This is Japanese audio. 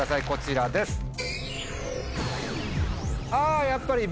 こちらです。